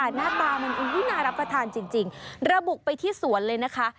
หน้าตามันน่ารับประทานจริงระบุไปที่สวนเลยนะคะ